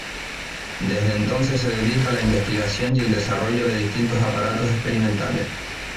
Desde entonces se dedica a la investigación y el desarrollo de distintos aparatos experimentales.